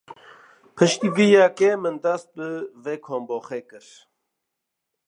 Piştî vê yekê min dest bi vê kambaxê kir!.